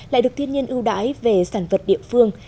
lại được thiên nhiên ưu đãi về sản vật địa phương